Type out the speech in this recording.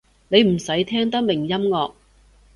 你唔使聽得明音樂